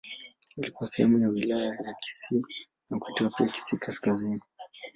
Ilikuwa sehemu ya Wilaya ya Kisii na kuitwa pia Kisii Kaskazini.